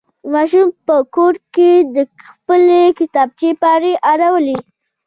ماشوم په کور کې د خپلې کتابچې پاڼې اړولې.